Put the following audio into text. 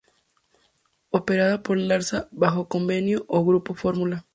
Operada por Larsa bajo convenio con Grupo Fórmula.